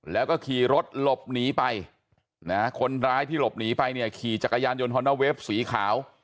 แล้วก็ขี่รถหลบหนีไปนะฮะคนร้ายที่หลบหนีไปเนี่ยขี่จักรยานยนต์ฮอนนาเวฟสีขาว